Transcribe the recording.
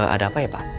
ada apa ya pak